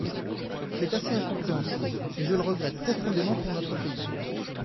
C’est assez incompréhensible, et je le regrette profondément pour notre pays.